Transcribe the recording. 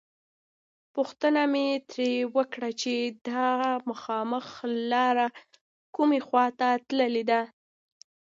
پوښتنه مې ترې وکړه چې دا مخامخ لاره کومې خواته تللې ده.